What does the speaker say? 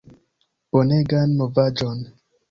Bonegan novaĵon!"